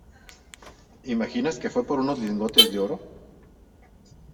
¿ imaginas que fue por unos lingotes de oro?